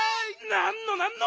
なんのなんの！